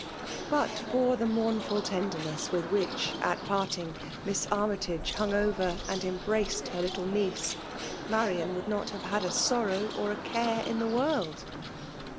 But for the mouim frd tenderness with whieh, at parting, Miss Armytage hung over and mnbraced her little niece, Marian would not have had a sonow or aoare in the world